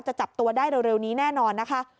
จะจับตัวได้เร็วนี้แน่นอนนะคะ